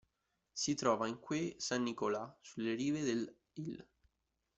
Si trova in "quai Saint-Nicolas", sulle rive dell'Ill.